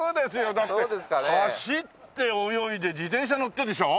だって走って泳いで自転車乗ってでしょ？